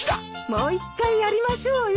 もう一回やりましょうよ。